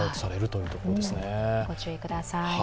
ご注意ください。